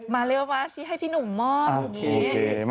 มาเร็วสิให้พี่หนุ่มมอบ